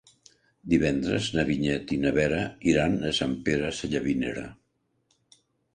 Divendres na Vinyet i na Vera iran a Sant Pere Sallavinera.